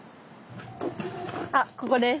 あっここです。